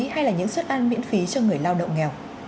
hay là những suất ăn miễn phí cho người lao động nghèo